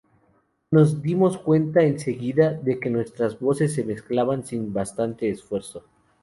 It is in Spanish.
Nos dimos cuenta enseguida de que nuestras voces se mezclaban sin bastante esfuerzo".